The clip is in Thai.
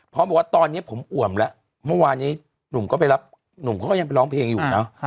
บอกว่าตอนนี้ผมอ่วมแล้วเมื่อวานนี้หนุ่มก็ไปรับหนุ่มเขาก็ยังไปร้องเพลงอยู่เนอะ